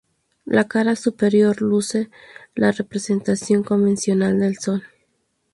La cara superior luce la representación convencional del sol.